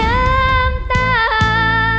ร้องได้ให้ร้าง